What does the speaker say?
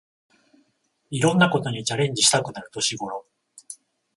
いろんなことにチャレンジしたくなる年ごろ